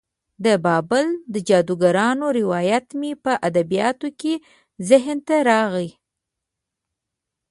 د بابل د جادوګرانو روایت مې په ادبیاتو کې ذهن ته راغی.